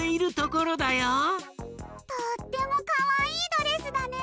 とってもかわいいドレスだね！